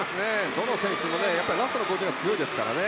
どの選手もラストの５０は強いですからね。